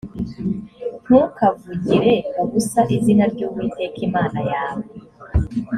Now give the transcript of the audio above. ntukavugire ubusa izina ry uwiteka imana yawe.